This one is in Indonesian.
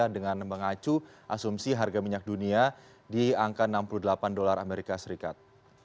dengan mengacu asumsi harga minyak dunia di angka enam puluh delapan dolar amerika serikat